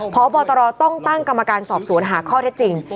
พบตรต้องตั้งกรรมการสอบสวนหาข้อเท็จจริง